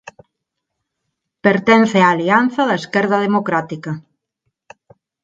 Pertence á Alianza da Esquerda Democrática.